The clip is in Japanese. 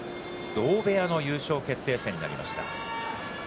同部屋の優勝決定戦となりました。